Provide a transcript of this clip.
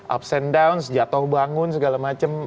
up and down jatuh bangun segala macem